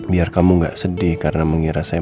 biar kamu gak sedih karena mengira saya